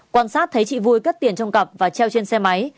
quan sát thấy chị vui cất tiền trong cặp và treo trên xe máy